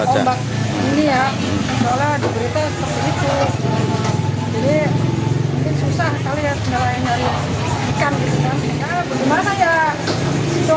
jadi mungkin susah kalau ya nelayan nyari ikan